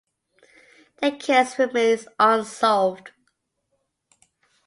Their case remains unsolved.